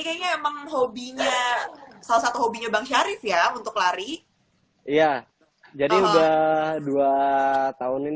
kayaknya emang hobinya salah satu hobinya bang syarif ya untuk lari iya jadi udah dua tahunin